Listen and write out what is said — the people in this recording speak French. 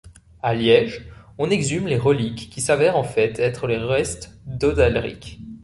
A Liège, on exhume les reliques qui s'avèrent en fait être les restes d'Odalric.